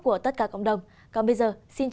của tất cả cộng đồng còn bây giờ xin chào và hẹn gặp lại